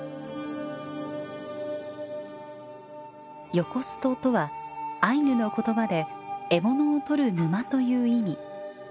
「ヨコスト」とはアイヌの言葉で「獲物をとる沼」という意味。